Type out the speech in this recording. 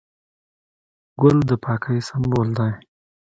ګل د پاکۍ سمبول دی.